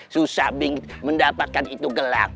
susah mendapatkan itu gelang